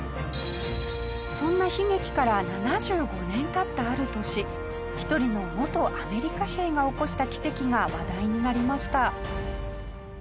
そんな悲劇から７５年経ったある年一人の元アメリカ兵が起こした奇跡が話題になりました。